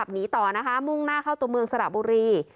หนีต่อนะคะมุ่งหน้าเข้าตัวเมืองสระบุรี